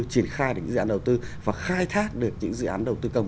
triển khai được những dự án đầu tư và khai thác được những dự án đầu tư công